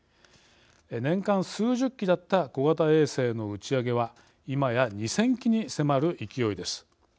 年間数十機だった小型衛星の打ち上げは今や２０００機に迫る勢いです。